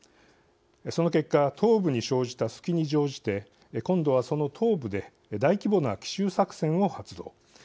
その結果東部に生じた隙に乗じて今度は、その東部で大規模な奇襲作戦を発動。